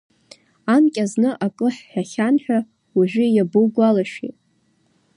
Анкьа зны акы ҳҳәахьан ҳәа, уажәы иабоугәалашәеи?